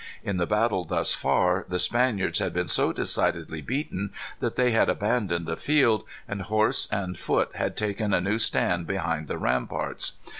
In the battle thus far, the Spaniards had been so decidedly beaten that they had abandoned the field, and horse and foot had taken a new stand behind the ramparts.